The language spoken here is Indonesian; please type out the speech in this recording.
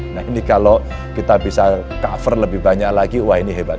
nah ini kalau kita bisa cover lebih banyak lagi wah ini hebat